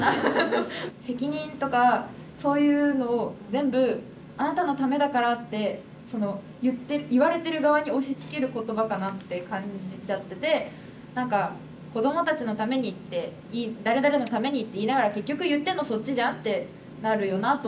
責任とかそういうのを全部「あなたのためだから」ってその言われてる側に押しつける言葉かなって感じちゃってて何か「子どもたちのために」って「誰々のために」って言いながら「結局言ってるのそっちじゃん」ってなるよなと思って。